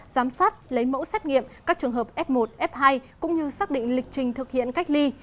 giám sát lấy mẫu xét nghiệm các trường hợp f một f hai cũng như xác định lịch trình thực hiện cách ly